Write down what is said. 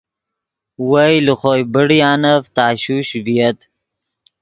وئے لے خوئے بڑیانف تشوش ڤییت